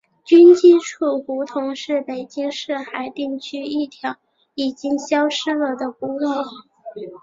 军机处胡同是北京市海淀区一条已经消失了的胡同。